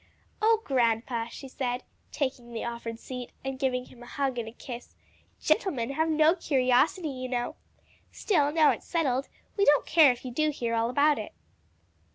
"Oh, grandpa," she said, taking the offered seat, and giving him a hug and kiss, "gentlemen have no curiosity, you know. Still, now it's settled, we don't care if you do hear all about it."